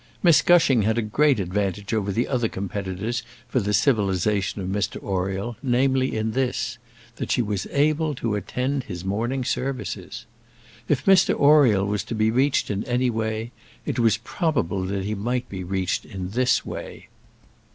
Miss Gushing had a great advantage over the other competitors for the civilisation of Mr Oriel, namely, in this that she was able to attend his morning services. If Mr Oriel was to be reached in any way, it was probable that he might be reached in this way.